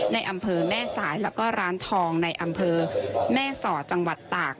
ในอำเภอแม่สายแล้วก็ร้านทองในอำเภอแม่สอดจังหวัดตาก